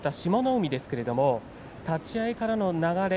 海ですけれど立ち合いからの流れ